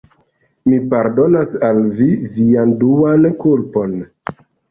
Mi pardonas al vi vian duan kulpon.